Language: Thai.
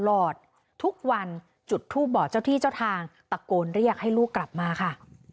ทุกวันจุดทูปบอกเจ้าที่เจ้าทางตะโกนเรียกให้ลูกกลับมาค่ะ